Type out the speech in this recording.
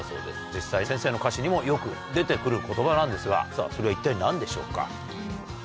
実際先生の歌詞にもよく出てくる言葉なんですがさぁそれは一体何でしょうか？